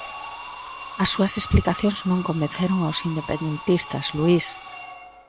As súas explicacións non convenceron aos independentistas, Luís...